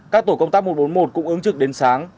các tổ công tác một trăm bốn mươi một cũng ứng trực đến sáng